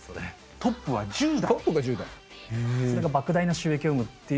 トップが１０代？